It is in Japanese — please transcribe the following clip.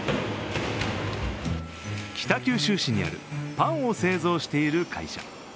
北九州市にあるパンを製造している会社。